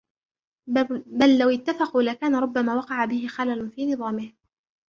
بَلْ لَوْ اتَّفَقُوا لَكَانَ رُبَّمَا وَقَعَ بِهِ خَلَلٌ فِي نِظَامِهِ